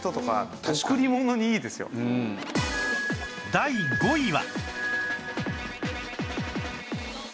第５位は